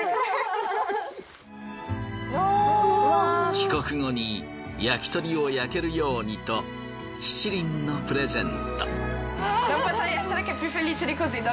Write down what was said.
帰国後に焼き鳥を焼けるようにと七輪のプレゼント。